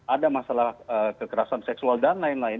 ada masalah kekerasan seksual dan lain lain